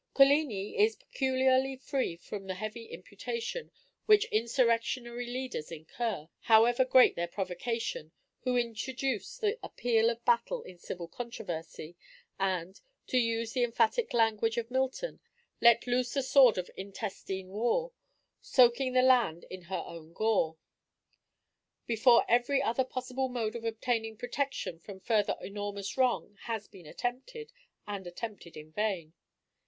Coligni is peculiarly free from the heavy imputation, which insurrectionary leaders incur, however great their provocation, who introduce the appeal of battle in civil controversy, and, to use the emphatic language of Milton, "let loose the sword of intestine war, soaking the land in her own gore," before every other possible mode of obtaining protection from further enormous wrong has been attempted, and attempted in vain.